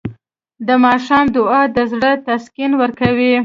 د ماښام دعا د زړه تسکین ورکوي.